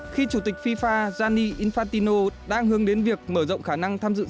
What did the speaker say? khi chủ tịch fifa gianni infantino đang hướng đến việc mở rộng khả năng